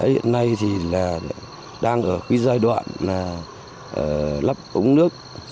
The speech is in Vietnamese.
hiện nay đang ở giai đoạn lắp ống nước